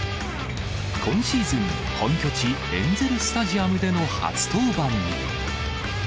今シーズン、本拠地、エンゼル・スタジアムでの初登板に。